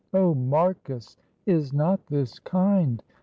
"Oh, Marcus! is not this kind?"